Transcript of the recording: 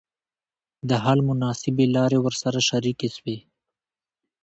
د حل مناسبي لاري ورسره شریکي سوې.